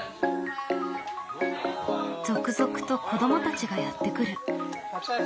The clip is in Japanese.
続々と子どもたちがやって来る。